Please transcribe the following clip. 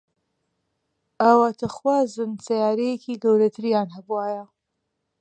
ئاواتەخوازن سەیارەیەکی گەورەتریان هەبوایە.